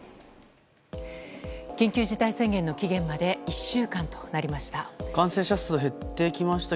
緊急事態宣言の期限まで１週間となりました。